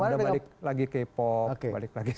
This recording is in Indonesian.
udah move on udah balik lagi ke pop balik lagi ke